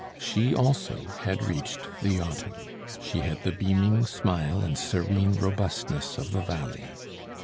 She also had reached the autumn: she had the beaming smile and serene robustness of the valley.